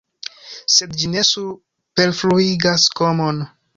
Sed ĝi ne superfluigas komon.